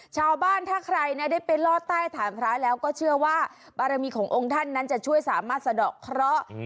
ชาวบ้านถ้าใครได้ไปลอดใต้ฐานพระแล้วก็เชื่อว่าบารมีขององค์ท่านนั้นจะช่วยสามารถสะดอกเคราะห์